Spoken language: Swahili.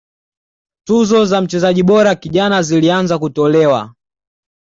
tuzo za mchezaji bora kijana zilianza kutolewa